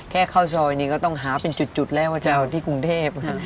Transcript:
แค่เข้าซอยนี้ก็ต้องหาเป็นจุดแล้วที่กรุงเทพคง